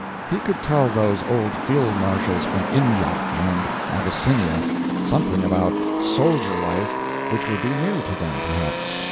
He could tell those old field marshals from India and Abyssinia something about soldier life which would be new to them, perhaps.